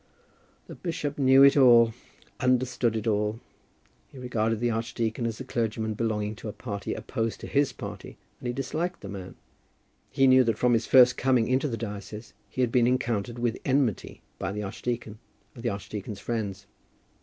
The bishop knew it all, understood it all. He regarded the archdeacon as a clergyman belonging to a party opposed to his party, and he disliked the man. He knew that from his first coming into the diocese he had been encountered with enmity by the archdeacon and the archdeacon's friends.